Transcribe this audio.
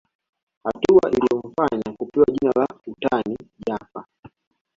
Hatua iliyomfanya kupewa jina la utani Jaffa